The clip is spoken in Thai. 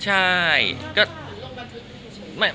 ใช่ถึงเดิม